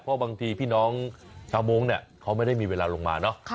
เพราะบางที่พี่น้องขาวโม้งเขาไม่ได้มีเวลาลงมา